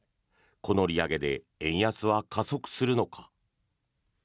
この利上げで円安は加速するのか。